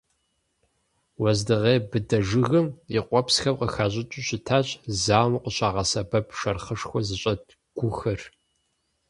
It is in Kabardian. Уэздыгъей быдэ жыгым и къуэпсхэм къыхащӀыкӀыу щытащ зауэм къыщагъэсэбэп, шэрхъышхуэ зыщӀэт гухэр.